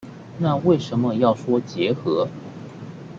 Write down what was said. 那為什麼說要結合